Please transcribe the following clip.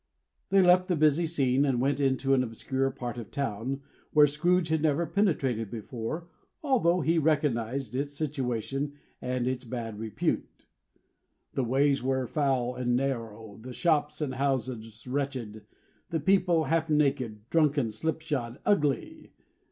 They left the busy scene, and went into an obscure part of the town, where Scrooge had never penetrated before, although he recognized its situation and its bad repute. The ways were foul and narrow; the shops and houses wretched; the people half naked, drunken, slipshod, ugly.